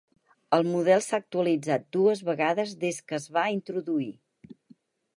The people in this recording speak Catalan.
El model s'ha actualitzat dues vegades des que es va introduir.